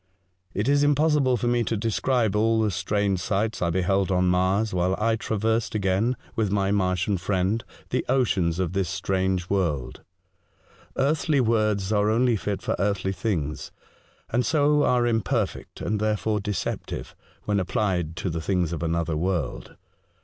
It is impossible for me to describe all the strange sights I beheld on Mars, while I traversed again, with my Martian friend, the oceans of this strange world. Earthly words are only fit for earthly things, and so are im 152 A Voyage to Other Worlds, perfect and, therefore, deceptive, when applied CO the things of another world.